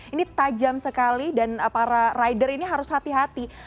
ini tajam sekali dan para rider ini harus hati hati